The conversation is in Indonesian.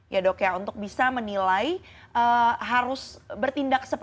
ya dok ya untuk bisa menilai harus bertindak seperti itu